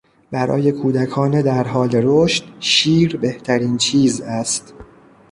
برای کودکان در حال رشد شیر بهترین چیز است.